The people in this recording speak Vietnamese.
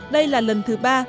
đây là lần thứ ba